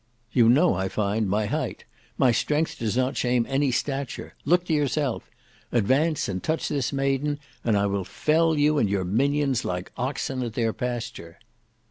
"You know, I find, my height: my strength does not shame my stature! Look to yourself. Advance and touch this maiden, and I will fell you and your minions like oxen at their pasture."